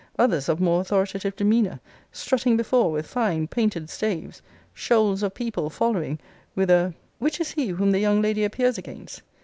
others of more authoritative demeanour, strutting before with fine painted staves! shoals of people following, with a Which is he whom the young lady appears against?